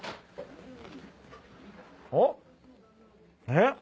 おっ！えっ？